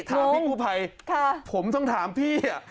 ถามพี่กู้ภัยผมต้องถามพี่